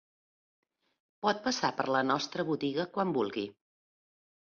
Pot passar per la nostra botiga quan vulgui.